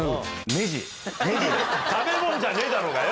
食べ物じゃねえだろうがよ！